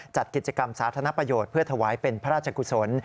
จัดกิจกรรมสาธารณประโยชน์เพื่อถวายเป็นพระราชกุศล